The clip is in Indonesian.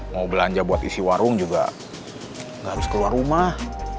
mau belanja buat isi warung juga nggak harus keluar rumah